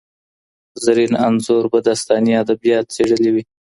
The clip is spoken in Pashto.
زرین انځور به داستاني ادبیات څېړلي وي.